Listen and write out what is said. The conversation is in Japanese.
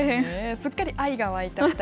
すっかり愛が沸いた２人。